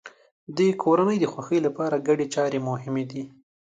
د کورنۍ د خوښۍ لپاره ګډې چارې مهمې دي.